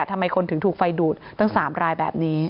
ทำไมคนถึงถูกไฟดูดตั้ง๓รายแบบนี้